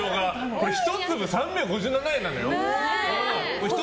これ１粒３５７円なのよ。